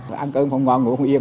ăn cơm không ngon ngủ không yên